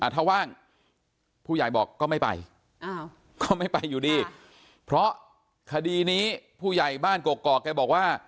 ถ้าว่างผู้ใหญ่บอกก็ไม่ไปก็ไม่ไปอยู่ดีเพราะคดีนี้ผู้ใหญ่บ้านกกอกแกบอกว่า